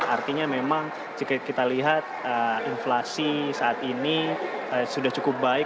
artinya memang jika kita lihat inflasi saat ini sudah cukup baik